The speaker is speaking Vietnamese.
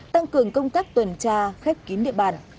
tăng cường công tác tuần tra khép kín địa bàn